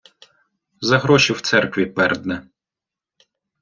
За гроші в церкві пердне